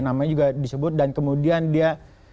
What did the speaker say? namanya juga disebut dan kemudian dia